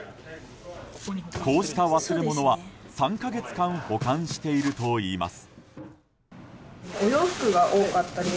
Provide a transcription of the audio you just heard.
こうした忘れ物は３か月間保管しているといいます。